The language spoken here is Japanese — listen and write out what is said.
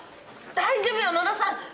大丈夫よ野田さん！